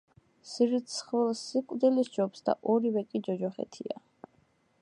სირცხვილს სიკვდილი სჯობს და ორივე კი ჯოჯოხეთია.